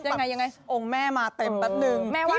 อย่างไรโอ้งแม่มาเต็มปั๊บนึง